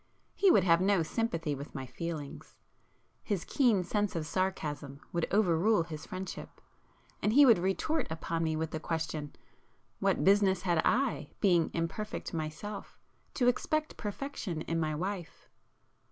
He would have no sympathy with my feelings. His keen sense of sarcasm would over rule his friendship, and he would retort upon me with the question—What business had I, being imperfect myself, to expect perfection in my wife?